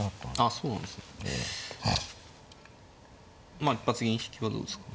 まあ一発銀引きはどうですか。